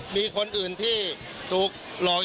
มีคนอื่นที่ถูกหลอก